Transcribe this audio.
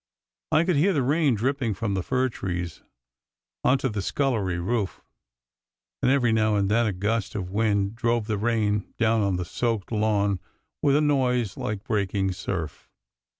I could hear the rain dripping from the fir trees on to the scullery roof, and every now and then a gust of wind drove the rain down on the soaked lawn with a noise like breaking surf.